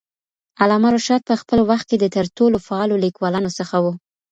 علامه رشاد په خپل وخت کې د تر ټولو فعالو لیکوالانو څخه وو.